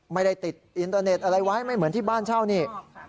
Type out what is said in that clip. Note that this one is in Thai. ไม่ได้ติดอินเตอร์เน็ตอะไรไว้ไม่เหมือนที่บ้านเช่านี่